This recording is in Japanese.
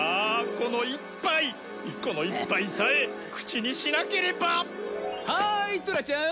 この一杯さえ口にしなければはいトラちゃん。